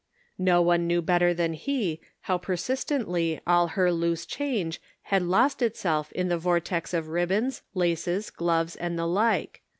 No one knew better than he how persistently all her loose change had lost itself in the vortex of ribbons, laces, gloves and the like.